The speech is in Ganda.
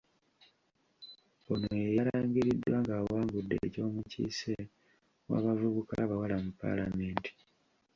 Ono ye yalangiriddwa ng’awangudde eky’omukiise w’abavubuka abawala mu Palamenti.